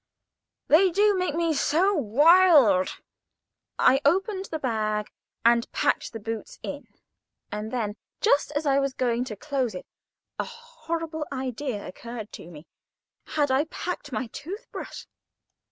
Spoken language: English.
They do make me so wild. I opened the bag and packed the boots in; and then, just as I was going to close it, a horrible idea occurred to me. Had I packed my tooth brush?